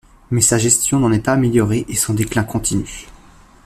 Mais sa gestion n’en est pas améliorée et son déclin continue.